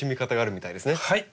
はい。